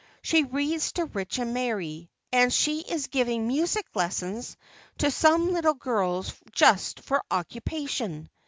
She reads to Rich and Mary, and she is giving music lessons to some little girls just for occupation.